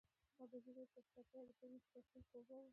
ازادي راډیو د اقتصاد په اړه د پرانیستو بحثونو کوربه وه.